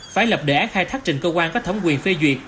phải lập đề án khai thác trên cơ quan có thống quy phê duyệt